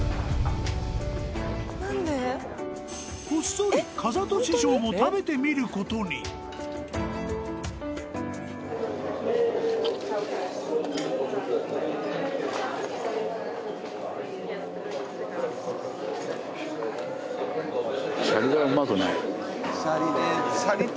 こっそり風戸師匠も食べてみることにおいしくない？